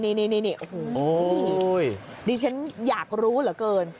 เนี่ยฉันอยากรู้เหรอเกิน